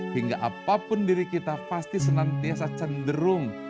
hingga apapun diri kita pasti senantiasa cenderung